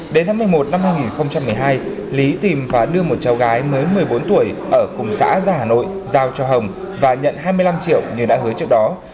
đến tháng một mươi một năm hai nghìn một mươi hai lý tìm và đưa một cháu gái mới một mươi bốn tuổi ở cùng xã gia hà nội giao cho hồng và nhận hai mươi năm triệu như đã hứa trước đó